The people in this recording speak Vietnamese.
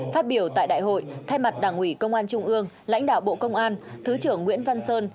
phát biểu tại đại hội thay mặt đảng ủy công an trung ương lãnh đạo bộ công an thứ trưởng nguyễn văn sơn